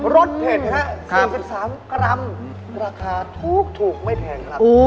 สเผ็ดฮะ๔๓กรัมราคาถูกไม่แพงครับ